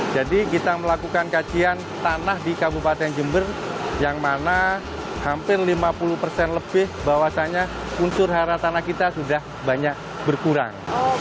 jadi kita melakukan kajian tanah di kabupaten jember yang mana hampir lima puluh lebih bahwasannya unsur hara tanah kita sudah banyak berkurang